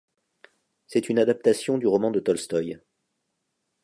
C'est une adaptation du roman de Tolstoï.